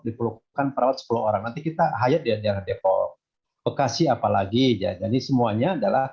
diperlukan perawat sepuluh orang nanti kita hayat dan depok bekasi apalagi jadi semuanya adalah